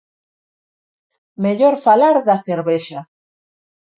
Mellor falar da cervexa.